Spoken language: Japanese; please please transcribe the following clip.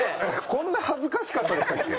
こんな恥ずかしかったでしたっけ？